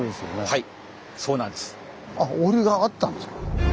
はい。